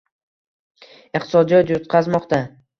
Iqtisodiyot yutqazmoqda.